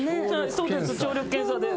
そうです聴力検査です。